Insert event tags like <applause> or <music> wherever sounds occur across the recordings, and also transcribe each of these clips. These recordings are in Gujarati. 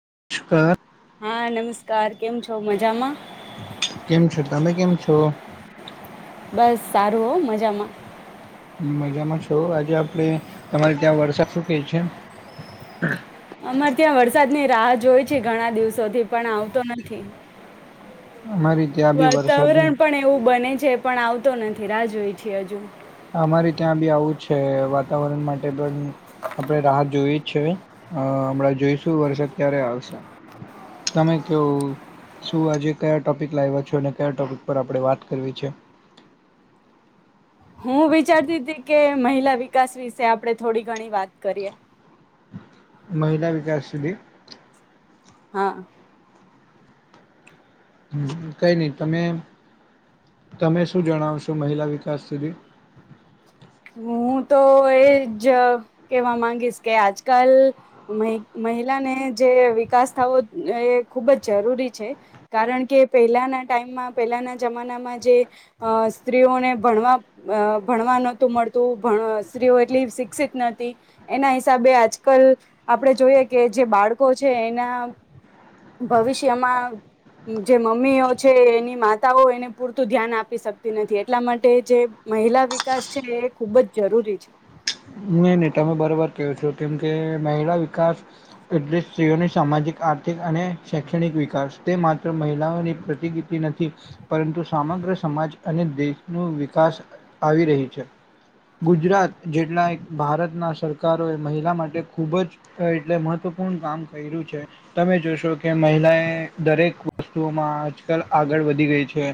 <unintelligible> હા નમસ્કાર કેમ છો મજા માં? કેમ છો તમે કેમ છો? બસ સારું હો મજામાં. મજામાં છો આજે આપણે તમારે ત્યાં વરસાદ શું કેઈ છે. અમારે ત્યાં વરસાદની રાહ જોઈ છે ઘણા દિવસોથી પણ આવતો નથી. અમારે ત્યાં બી વરસાદની વાતાવરણ પણ એવું બને છે પણ આવ તો નથી રાહ જોઈ છે અજુ. અમારે ત્યાં બી આવું છે વાતાવરણ માટે <unintelligible> આપડે રાહત જોવી છે. અ અમણાં જોઈશું વરસાદ ક્યારે આવશે. તમે કેવ શું આજે કયા ટોપિક લાયવા છો અને કયા ટોપિક પર આપડે વાત કરવી છે. હું વિચારતી તી કે મહિલા વિકાસ વિશે આપડે થોડી ઘણી વાત કરીએ. મહિલા વિકાસ સુધી હા. હ કઈ ની તમે તમે શું જણાવશો મહિલા વિકાસ સુધી. હું તો એ જ કહેવા માંગીશ કે આજકાલ મહિલાને જે વિકાસ થવો એ ખૂબ જ જરૂરી છે કારણ કે પહેલાના ટાઈમમાં પહેલાના જમાનામાં જે સ્ત્રીઓને ભણવા ભણવાનો તું સ્ત્રીઓ એટલી શિક્ષિત નથી એના હિસાબે આજકાલ આપણે જોઈએ કે જે બાળકો છે એના ભવિષ્યમાં જે મમ્મીઓ છે એની માતાઓ એને પૂરતું ધ્યાન આપી શકતી નથી એટલા માટે જે મહિલા વિકાસ છે એ ખૂબ જ જરૂરી છે એને તમે બરાબર કહો છો કેમ કે મહિલા વિકાસ એટલે સ્ત્રીઓની સામાજિક આર્થિક અને શૈક્ષણિક વિકાસ તે માત્ર મહિલાઓની પ્રતિકતિ નથી પરંતુ સમગ્ર સમાજ અને દેશનું વિકાસ આવી રહી છે ગુજરાત જેટલા ભારતના સરકારોએ મહિલા માટે ખૂબ જ એટલે મહત્ત્વપૂર્ણ કામ કર્યું છે તમે જોશો કે મહિલાએ દરેક વસ્તુઓમાં આજકાલ આગળ વધી ગઈ છે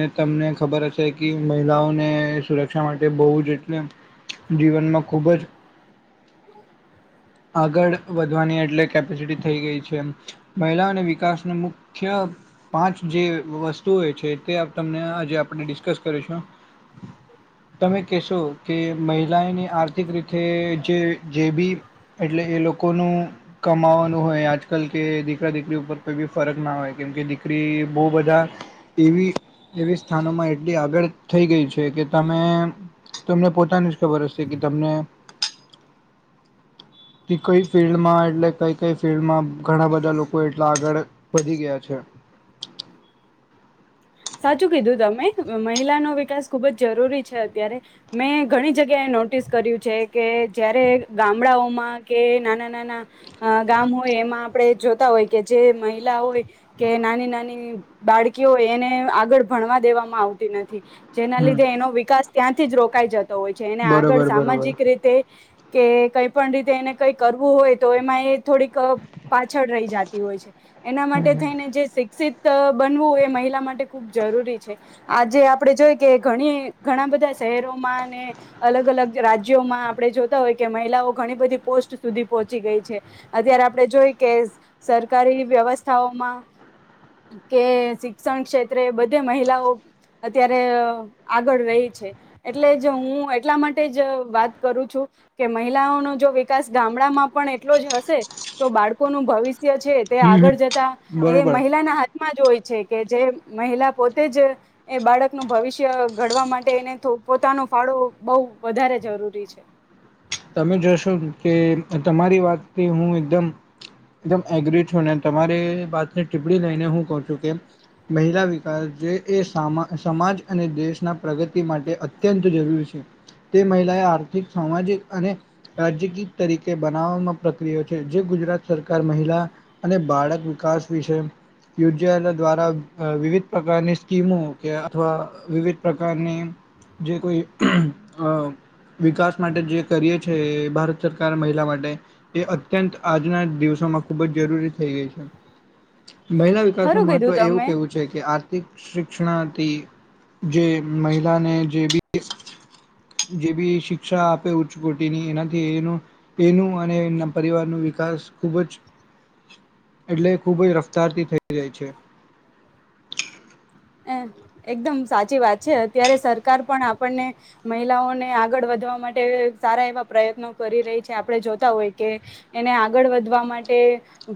ને તમને ખબર હશે કે મહિલાઓને સુરક્ષા માટે બહુ જ એટલે જીવનમાં ખુબ જ <inaudible> આગળ વધવાની એટલે કેપેસિટી થઈ ગઈ છે મહિલા અને વિકાસની મુખ્ય પાંચ જે વસ્તુઓ હોય છે તે આપ તમને આજે આપણે ડિસ્કસ કરીશું તમે કહેશો કે મહિલાની આર્થ રીતે જે જે બી એટલે એ લોકોનું કમાવાનું હોય આજકાલ કે દીકરા દીકરી ઉપર કોઈ બી ફરક ના હોય કેમકે દીકરી બહુ બધા એવી એવી સ્થાનોમાં એટલી આગળ થઈ ગઈ છે કે તમે તમને પોતાને જ ખબર હશે કે તમને કઈ ફિલ્ડમાં એટલે કઈ કઈ ફિલ્ડમાં ઘણા બધા લોકો એટલા આગળ વધી ગયા છે <inaudible> સાચું કીધું તમે મહિલાનો વિકાસ ખુબ જ જરૂરી છે અત્યારે મેં ઘણી જગ્યાએ નોટિસ કર્યું છે કે જયારે ગામડાઓમાં કે નાના નાના ગામ હોય એમાં આપણે જોતા હોય કે જે મહિલા હોય કે નાની નાની બાળકી હોય એને આગળ ભણવા દેવામાં આવતી નથી જેના હમ. લીધે એનો વિકાસ ત્યાંથી જ રોક કાઈ જતો હોય છે એને આગળ બરોબર બરોબર. સામાજિક રીતે કે કઈ પણ રીતે એને કઈ કરવું હોય તો એમાં એ થોડીક પાછળ રહી જતી હોય છે એના હમ માટે હમ થઈને જે શિક્ષિત ત બનવું એ મહિલા માટે ખૂબ જરૂરી છે. આજે આપણે જોઈ કે ઘણી ઘણા બધા શહેરોમાં અને અલગ-અલગ રાજ્યોમાં આપણે જોતા હોય કે મહિલાઓ ઘણી બધી પોસ્ટ સુધી પહોંચી ગઈ છે, અત્યારે આપણે જોઈ કે સ સરકારી વ્યવસ્થાઓમાં, કે શિક્ષણ ક્ષેત્ ત્રે બધે મહિલાઓ, અત્યારે આગળ રહી છે, એટલે જ હું એટલા માટે જ વાત કરું છું, કે મહિલાઓનો જો વિકાસ ગામડામાં પણ એટલો જ હશે તો બાળકો નું ભવિષ્ છે તે હમ આગળ જતા હમ એ બરોબર. મહિલાના હા માં જ હોય છે કે જે મહિલા પોતે જ એ બાળકનું ભવિષ્ય ઘડવા માટે એને થો પોતાનો ફાળો બહું વધારે જરૂરી છે. તમે જોશો કે તમારી વાતથી હું એકદમ-એકદમ એગ્રી છું, ને તમારી વાતને ટીપ્પણી લઈને હું કહું છું કે મહિલા વિકાસ જે એ સા સમાજ અને દેશના પ્રગતિ માટે અત્યંત જરૂરી છે, તે મહિલાએ આર્થિક, સામાજિક અને રાજ્યગીત તરીકે બનાવવામાં પ્રક્રિય છે, જે ગુજરાત સરકાર મહિલા અને બાળક વિકાસ વિશે યોજાયેલા દ્વારા વિવિધ પ્રકારની સ્કીમો કે અથવા વિવિધ પ્રકારની જે કોઈ અહ વિકાસ માટે જે કરીએ છે એ ભારત સરકાર મહિલા માટે એ અત્યંત આજના દિવસોમાં ખૂબ જ જરૂરી થઈ ગઈ છે. મહિલા વિકાસનું ખરું મહત્વ કીધું એવું તમે કેવું છે કે આ શિક શિક્ષણા થી જે મહિલાને જે બી જે બી શિક્ષા આપે એવું <unintelligible> એનાથી એનું તેનું અને તેના પરિવાર નું વિકાસ ખૂબ જ એટલે ખૂબ જ રફતારથી થઈ જાય છે. હ એકદમ સાચી વાત છે, અત્યારે સરકાર પણ આપણને મહિલાઓને આગળ વધવા માટે સારા એવા પ્રયત્નો કરી રહી છે. આપણે જોતા હોય કે એને આગળ વધવા માટે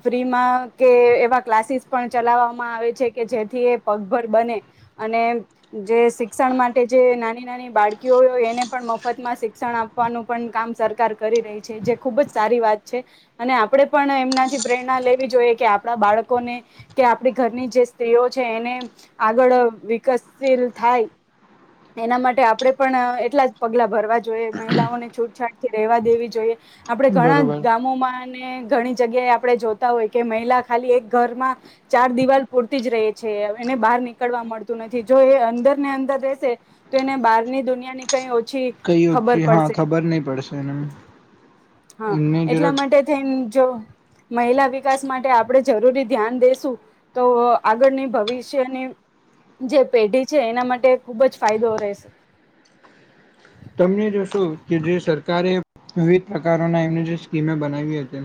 ફ્રીમાં કે એવા ક્લાસીસ પણ ચલાવવામાં આવે છે, કે જેથી એ પગ ભર બને અને જે શિક્ષણ માટે જે નાની-નાની બાળકીઓ હોય એને પણ મફતમાં શિક્ષણ આપવાનું પણ કામ સરકાર કરી રહી છે, જે ખૂબ જ સારી વાત છે. અને આપણે પણ એમનાથી પ્રેરણા લેવી જોઈએ, કે આપણા બાળકોને કે આપણી ઘરની જે સ્ત્રીઓ છે એને આગળ વિકસશીલ થાય, એના માટે આપડે પણ એટલા જ પગલા ભરવા જોઈએ. મહિલાઓને છૂટછાટ થી રહેવા દેવી જોઈએ. આપડે ઘણા બરોબર ગામોમાં ન ઘણી જગ્યાએ આપણે જોતા હોય કે મહિલા ખાલી એક ઘરમાં, ચાર દિવાલ પૂરતી જ ર છે. એને બહાર નીકળવા મળતું નથી જો એ અંદર ને અંદર રહેશે, તો એને બહારની દુનિયા ની કઈ ઓછી કઈ ઓછી ખબર હા પડશે ખબર નહી પડશે એને. હા, એમને એટલા જરાક માટે થઈ જો મહિલા વિકાસ માટે આપણે જરૂરી ધ્યાન દેસું, તો આગળની ભવિષ્યની જે પેઢી છે એના માટે ખુબ જ ફાયદો રહેશે. તને જોશો કે જે સરકારે વિવિધ પ્રકારના એમની જે સ્કીમે બનાવી હતી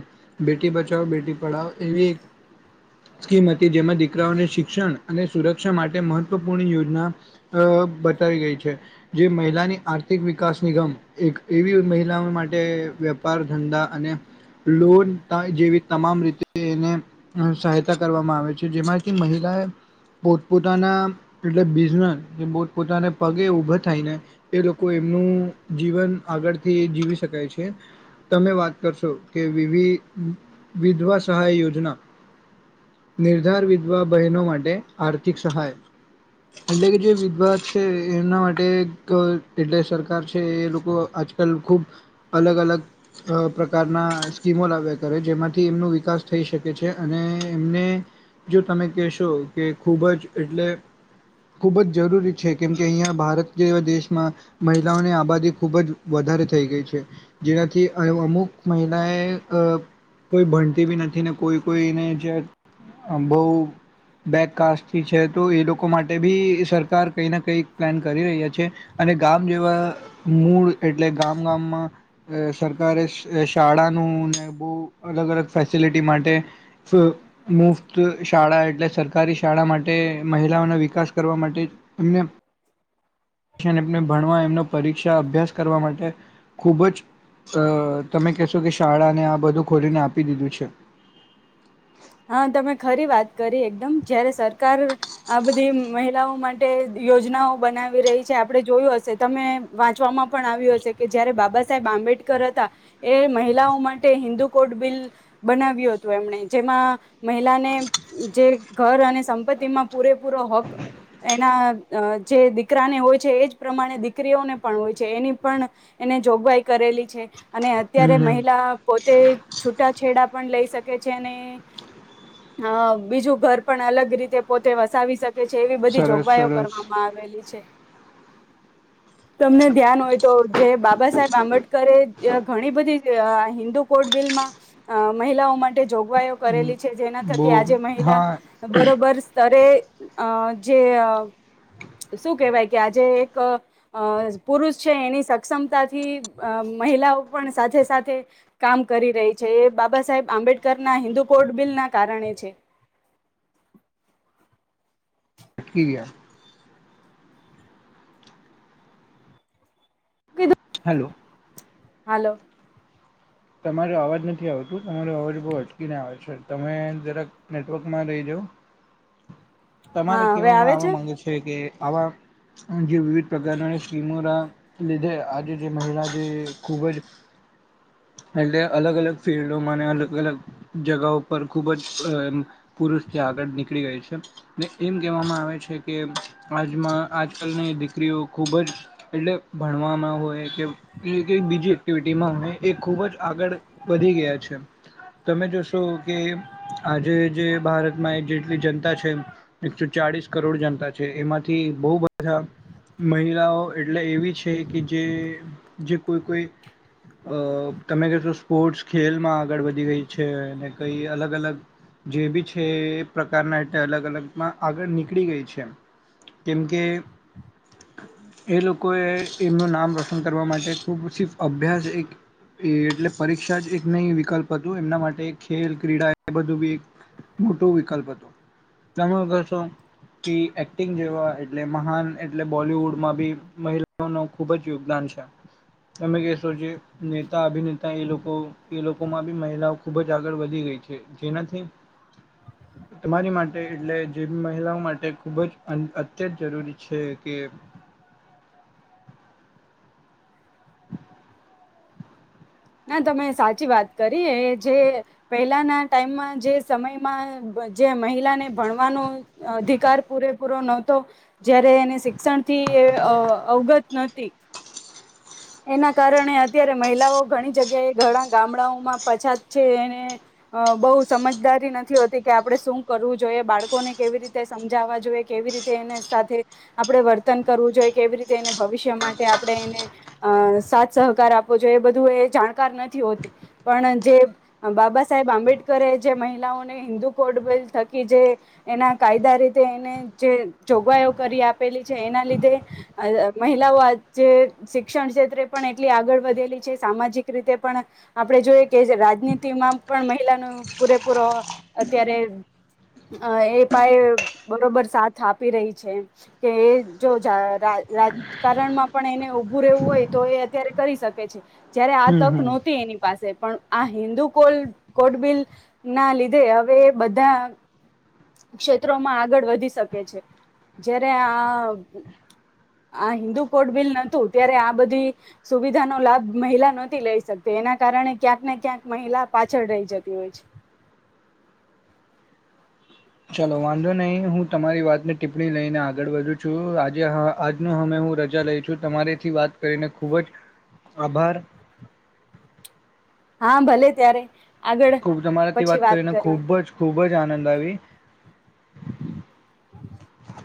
બેટી બચાવ બેટી પઢાવો એવી એક સ્કીમ હતી, જેમાં દીકરાઓને શિક્ષણ અને સુરક્ષા માટે મહત્વપૂર્ણ યોજના, બતાવી ગઈ છે, જે મહિલાની આર્ આર્થિક વિકાસ નિગમ એક એવી મહિલાઓ માટે વેપાર ધંધા અને લોન જેવી તમામ રીતે એને સહાયતા કરવામાં આવે છે જેમાંથી મહિલાએ પોતપોતાના એટલે બિઝનેસ પોતપોતાના પગે ઊભા થાયને એ લોકો કો એમનું જીવન આગળથી જીવી શકાય છે, તમે વાત કરશો કે વિ વિધવા સહાય યોજના નિર્ધાર વિધવા બહેનો માટે આર્થિક સહાય, એટલે કે જે વિધવા છે એમના માટે એટલે સરકાર છે એ લોકો આજકાલ ખૂબ અલગ અલગ પ્રકારના સ્કીમો લાવ્યા કરે જેમાંથી એમનો વિકાસ થઈ શકે છે, અને એમને જો તમે કહેશો કે ખૂબ જ એટલે ખૂબ જ જરૂરી છે, કેમ કે અહીંયા ભારત જે એવા દેશમાં. મહિલાઓની આબાદી ખુબ જ વધારે થઈ ગઈ છે જેનાથી અમુક મહિલા એ કોઈ ભણતી બી નથી ને કોઈ કોઈને જે બહ બેકકાાસથી છે તો એ લોકો માટે બી સરકાર કઈ ના કઈ પ્લાન કરી રહ્યા છે અને ગામ જેવા મૂળ એટલે ગામ ગામમાં સરકારે શાળાનું ને બહુ અલગ અલગ ફેસિલિટી માટે મુફ્ત શાળા એટલે સરકારી શાળા માટે મહિલાઓનો વિકાસ કરવા માટે એમને ભણવા એમનો પરીક્ષા અભ્યાસ કરવા માટે ખૂબ જ તમે કહેશો કે શાળાને આ બધું ખોલીને, આપી દીધું છે. હા તમે ખરી વાત કરી એકદમ જયારે સરકાર આ બધી મહિલાઓ માટે યોજનાઓ બનાવી રહી છે આપડણે જોયું હશે તમે વાંચવામાં પણ આવ્યું હશે કે જયારે બાબા સાહેબ આંબેડકર હતા, એ મહિલાઓ માટે હિન્દુ કોડ બિલ, બનાવ્યું હતું એમણે જેમાં મહિલાને જે ઘર અને સંપત્તિમાં પૂરેપૂરો હક એના જે દીકરાને હોય છે એજ પ્રમાણે દીકરીઓને પણ હોય છે એની પણ, એને જોગવાઈ કરેલી છે. અને અત્યારે હમ હમ. મહિલા પોતે છૂટાછેડા પણ લઈ શકે છે અને હ બીજું ઘર પણ અલગ રીતે પોતે વસાવી શકે છે એવી બધી સરસ જોગવાઈઓ સરસ કરવામાં આવેલી છે. તમને ધ્યાન હોય તો જે બાબા સાહેબ આંબેડકરે ઘણી બધી હિન્દુ કોડ બિલમાં, મહિલાઓ માટે જોગવાઈઓ કરેલી જેના થકી બો આજે મહિલા હા બરોબર, સ્તરે અ જે શું કેહેવાય કે આજે એક પુરુષ છે એની સક્ષમતાથી મહિલાઓ પણ સાથે સાથે, કામ કરી રહી છે એ બાબા સાહેબ આંબેડકર ના હિન્દુ કોળ બિલના કારણે છે. લટકી ગિયા. કીધું હેલો. હાલો. તમારો અવાજ નથી આવતું તમારો અવાજ બહુ અટકીને આવે છે તમે જરાક નેટવર્કમાં રહી જાવ. તમારે હા હવે કેવામાં આવે આવવા માંગે છે કે આવા જે વિવિધ પ્રકારના સ્કીમોના લીધે આજે જે મહિલા જે ખૂબ જ એટલે અલગ અલગ ફિલ્ડોમાં અને અલગ અલગ જગાઓ પર ખુબ જ અ પુષ જે આગળ નનીકળી ગઈ છે. ને એમ કહેવામાં આવે છે કે આજમાં આજકાલની દીકરીઓ ખૂબ જ એટલે ભણવામાં હોય કે બીજી એક્ટિવિટીમાં હોય એક ખૂબ જ આગળ વધી ગયા છે તમે જોશો કે આજે જે ભારતમાં જેટલી જનતા છે એકસો ચાળસ કરોડ જનતા છે એમાંથી બહુ બધા મહિલાઓ એટલે એવી છે કે જે જે કોઈ કોઈ અ તમે કો સ્પોર્ટ્સ ખેલમાં આગળ વધી ગઈ છે કઈ અલગ અલગ જે બી છે એ પ્રકારના અલગ અલગમાં આગળ નીકળી ગઈ છે કેમ કે એ લોકો એ એમનું નામ રોશન કરવા માટે ખૂબ સ અભ્યાસ એક એ એટલે પરીક્ષા જ એક નહી વિકલ્પ હતોું એમના માટે ખેલ ક્રીડા એ બધું બી એક મોટું વિકલ્પ હતું, તમે કહેશો કે એક્ટિંગ જેવા એટલે મહાન એટલે બોલવુડમાં બી મહિલાઓ ન ખુબ જ યોગદાન છે, તમે કશો જે- નેતા અભિનેતા એ લોકો એ લોકોમાં બી મહિલાઓ ખૂબ જ આગળ વધી ગઈ છે, જેનાથી તમારી માટે એટલે જે મહિલાઓ માટે ખૂબ જ અત્યંત જરૂરી છે કે <inaudible> ના તમે સાચી વાત કરી જે પહેલાના ટાઈમમાં જે સમયમાં જે મહિલાને ભણવાનો અધિકાર પૂરેપૂરો નહતો, જયારે એને શિક્ષણ થી અવગત નતી. એના કારણે અત્યારે મહિલાઓ ઘણી જગ્યાએ ઘણા ગામડાઓમાં પછાત છે એને બહુ સમજદારી નથી હોતી કે આપણે શું કરવું જોઈએ બાળકોને કેવી રીતે સમજાવવા જોઈએ કેવી રીતે એને સાથે આપણે વર્તન કરવું જોઈએ, કેવી રીતે એને ભવિષ્ય માટે આપણે એને અ સાથ સહકાર આપવો છઈએ એ બધું એ જાણકાર નથી હોતી, પણ જે બાબા સાહેબ આંબેડકરે જે મહિલાઓને હિન્દુ કોડ બલ થકી જે એના કાયદા રીતે એને જે જોગવાઈઓ કરી આપેલી છે એના લીધે, મહિલાઓ આ જે શિક્ષણ ક્ષેત્રે પણ એટલી આગળ વધેલી છે, સામાજિક રીતે પણ આપણે જોઈએ કે રાજનીતિમાં પણ મહિલાનો પૂરેપૂરો અત્યારે એ પાયે બરોબર સાથ આપી રહી છે, કે એ જો રાજકારણમાં પણ એને ભૂરેવું હોય તો એ અત્યારે કરી શકે છે. જયારે આ હમ તક હમ નહોતી એની પાસે પણ આ હિન્દુલ કોટ બિલ ના લીધે હવે એ બધા ક્ષેત્રોમાં આગળ વધી શકે છે, જયારે આ આ હિન્દુ કોટ બિલ નતું. ત્યારે આ બધી સુવિધાનો લાભ મહિલા નથી લઈ શકતી, એના કારણે ક્યાંક ને ક્યાંક મહિલા પાછળ રહી જતી હોય છે. ચાલલો વાંધો નહીં. હું તમારી વાતને ટીપ્પણી લઈને આગળ વધુ છું આજે આજનો અમે હું રજા લઈ છું તમારીથી વાત કરીને ખુબ જ, આભાર. હા ભલે ત્યારે. આગળ ખુબ તમારાથી વાત પછી કરીને, કરીએ ખુબ જ ખુબ. ખૂબજ આનંદ આવી. <inaudible>